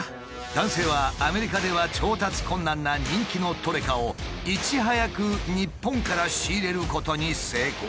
男性はアメリカでは調達困難な人気のトレカをいち早く日本から仕入れることに成功。